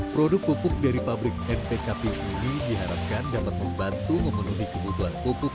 produk pupuk dari pabrik npkp ini diharapkan dapat membantu memenuhi kebutuhan pupuk